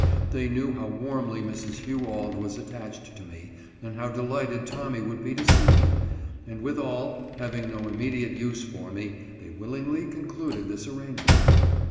They knew how warmly Mrs. Hugh Auld was attached to me, and how delighted Tommy would be to see me, and withal, having no imme diate use for me, they willingly concluded this arrange ment.